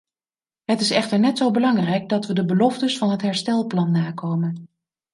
Het is echter net zo belangrijk dat we de beloftes van het herstelplan nakomen.